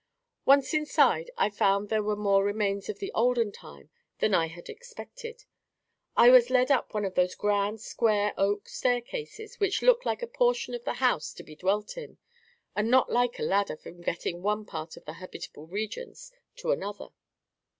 Once inside, I found there were more remains of the olden time than I had expected. I was led up one of those grand square oak staircases, which look like a portion of the house to be dwelt in, and not like a ladder for getting from one part of the habitable regions to another.